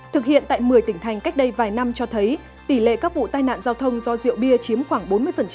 thực hiện tại một mươi tỉnh thành cách đây vài năm cho thấy tỷ lệ các vụ tai nạn giao thông do rượu bia chiếm khoảng bốn mươi